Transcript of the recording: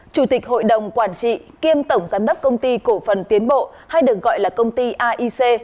chủ tịch hội đồng quản trị kiêm tổng giám đốc công ty cổ phần tiến bộ hay được gọi là công ty aic